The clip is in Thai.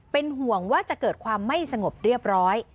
เป็นห่วงว่าจะเกิดความไม่สงบเรียบร้อย